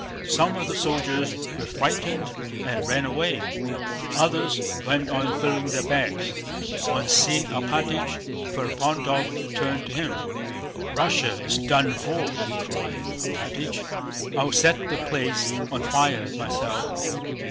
Some of the soldiers were frightened and ran away, others went on filling their bags. On seeing Alpátych, Ferapóntov turned to him: "Russia is done for!" he cried. "Alpátych, I'll set the place on fire myself.